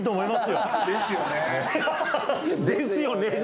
「ですよね